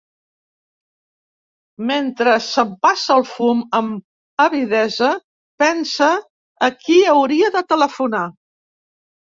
Mentre s'empassa el fum amb avidesa pensa a qui hauria de telefonar.